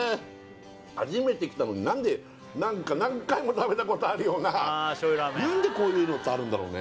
初めて来たのに何でなんか何回も食べたことあるような何でこういうのってあるんだろうね